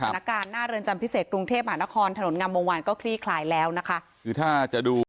สถานการณ์หน้าเรือนจำพิเศษปรุงเทพมหานครถนนงำมงวันก็คลี่คลายแล้วนะคะ